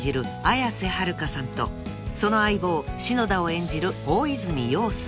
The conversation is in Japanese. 綾瀬はるかさんとその相棒篠田を演じる大泉洋さん］